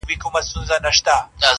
مور او ورور پلان جوړوي او خبري کوي,